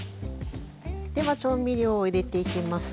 では調味料を入れていきます。